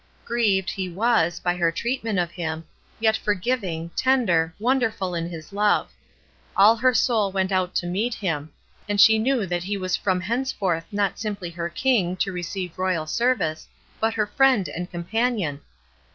Grieved, He was, by her treatment of Him, yet forgiving, tender, wonderful in His love. All her soul went out to meet Him, and she knew that He was from henceforth not simply her King to receive loyal service, but her Friend and Companion.